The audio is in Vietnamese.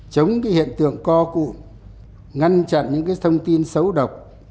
chống cái hiện tượng co cụm ngăn chặn những cái thông tin xấu độc